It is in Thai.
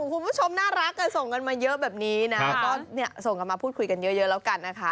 คุณผู้ชมน่ารักส่งกันมาเยอะแบบนี้นะก็ส่งกันมาพูดคุยกันเยอะแล้วกันนะคะ